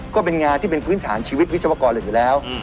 ก็เป็นงานที่เป็นพื้นฐานชีวิตวิศวกรอื่นอยู่แล้ว